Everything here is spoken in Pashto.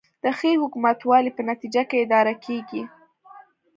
د ښې حکومتولې په نتیجه کې اداره کیږي